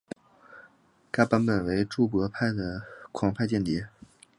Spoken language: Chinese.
此版本为注博派的狂派间谍。